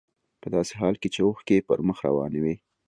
په داسې حال کې چې اوښکې يې پر مخ روانې وې.